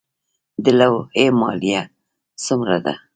د لوحې مالیه څومره ده؟